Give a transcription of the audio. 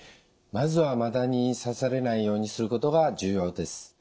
まずはマダニに刺されないようにすることが重要です。